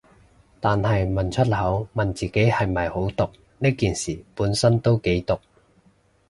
但係問出口，問自己係咪好毒，呢件事本身都幾毒